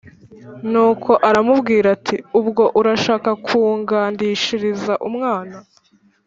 Nuko aramubwira ati: “Ubwo urashaka kungandishiriza umwana;